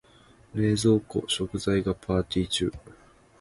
冷蔵庫、食材がパーティ中。